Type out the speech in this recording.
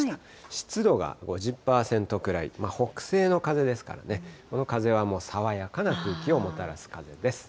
湿度が５０％くらい、北西の風ですからね、この風はもう爽やかな空気をもたらす風です。